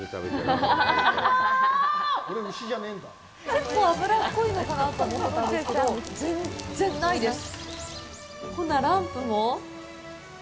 結構脂っこいのかなと思ってたんですけど、全然ないです。